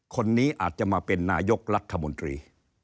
คนนี้อาจจะมาเป็นนายกรัฐมนตรี